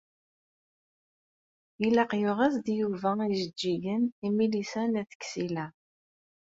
Ilaq yuɣ-as-d Yuba ijeǧǧigen i Milisa n At Ksila.